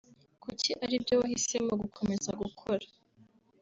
Kuki aribyo wahisemo gukomeza gukora